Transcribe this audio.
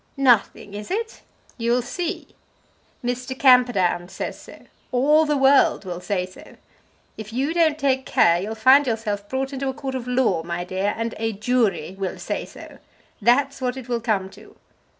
"Nothing, is it? You'll see. Mr. Camperdown says so. All the world will say so. If you don't take care, you'll find yourself brought into a court of law, my dear, and a jury will say so. That's what it will come to.